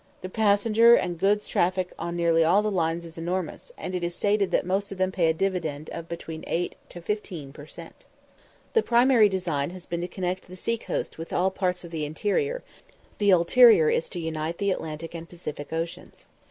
The passenger and goods traffic on nearly all the lines is enormous, and it is stated that most of them pay a dividend of from 8 to 15 per cent. The primary design has been to connect the sea coast with all parts of the interior, the ulterior is to unite the Atlantic and Pacific Oceans.